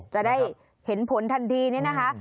จะได้เห็นผลทันทีนี่นะคะ